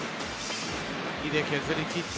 火で削りきって。